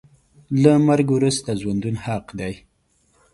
له مرګ وروسته ژوندون حق دی .